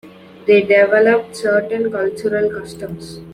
They developed certain cultural customs.